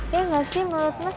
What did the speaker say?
ya nggak sih menurut mas